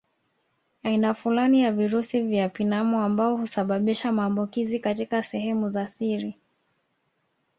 Aina fulani ya virusi vya pinamu ambao husababisha maambukizi katika sehemu za siri